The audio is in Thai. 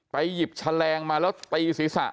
ไปหยิบชะแรงมาแล้วตีศีรษะ